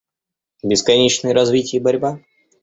Бесконечное развитие и борьба?..